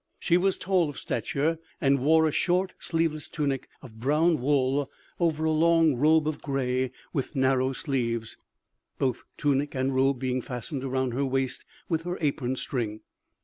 She was tall of stature, and wore a short, sleeveless tunic of brown wool over a long robe of grey with narrow sleeves, both tunic and robe being fastened around her waist with her apron string.